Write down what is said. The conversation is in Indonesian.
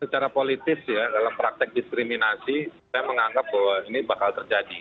secara politis ya dalam praktek diskriminasi saya menganggap bahwa ini bakal terjadi